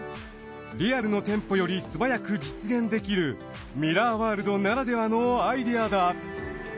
リアルの店舗よりすばやく実現できるミラーワールドならではのアイデアだ。